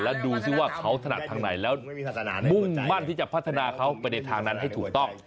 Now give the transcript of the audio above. แล้วดูสิว่าเขาถนัดทางไหนแล้วมุ่งมั่นที่จะพัฒนาเขาไปในทางนั้นให้ถูกต้อง